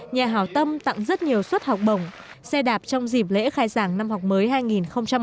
nhà hào tâm tặng rất nhiều suất học bổng xe đạp trong dịp lễ khai giảng năm học mới hai nghìn một mươi tám